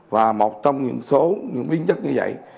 và một trong những số biến chất như vậy